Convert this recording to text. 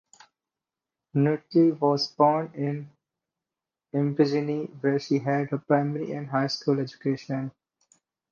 Ntuli was born in Empangeni where she had her primary and high school education.